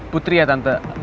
putri ya tante